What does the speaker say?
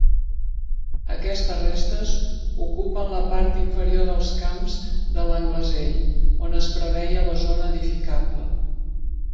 Aquestes restes ocupen la part inferior dels camps de l'Anglesell on es preveia la zona edificable.